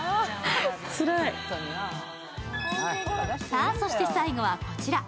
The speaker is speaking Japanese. さあ、そして最後はこちら。